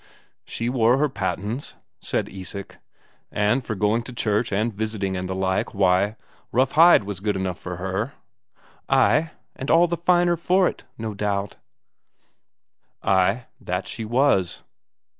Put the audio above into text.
"She wore her pattens," said Isak. "And for going to church and visiting and the like, why, rough hide was good enough for her." "Ay, and all the finer for it, no doubt." "Ay, that she was.